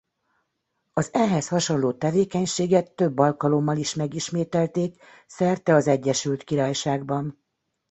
Az ehhez hasonló tevékenységet több alkalommal is megismételték szerte az Egyesült Királyságban.